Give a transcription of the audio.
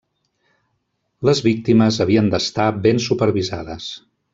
Les víctimes havien d'estar ben supervisades.